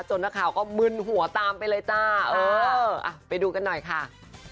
นักข่าวก็มึนหัวตามไปเลยจ้าเอออ่ะไปดูกันหน่อยค่ะ